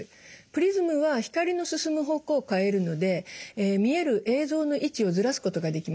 プリズムは光の進む方向を変えるので見える映像の位置をずらすことができます。